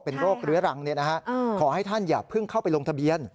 เป็นโรคเรื้อรังขอให้ท่านอย่าเพิ่งเข้าไปลงทะเบียน